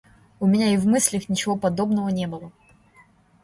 У меня и в мыслях ничего подобного не было.